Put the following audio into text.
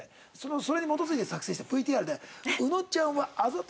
それに基づいて作製したＶＴＲで。